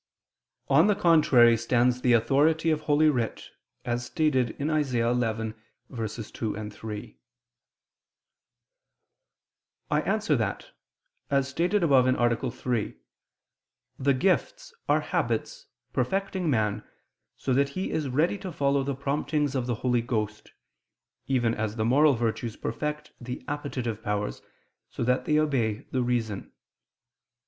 On the contrary, stands the authority of Holy Writ (Isa. 11:2, 3). I answer that, As stated above (A. 3), the gifts are habits perfecting man so that he is ready to follow the promptings of the Holy Ghost, even as the moral virtues perfect the appetitive powers so that they obey the reason.